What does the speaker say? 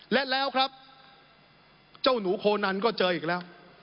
และแล้วครับเจ้าหนูโคนันก็เจออีกแล้ว